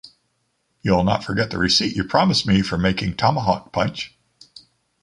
You'll not forget the receipt you promised me for making tomahawk punch.